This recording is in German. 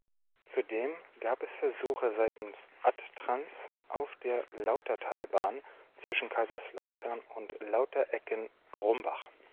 Zudem gab es Versuche seitens Adtranz auf der Lautertalbahn zwischen Kaiserslautern und Lauterecken-Grumbach.